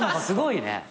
すごいね。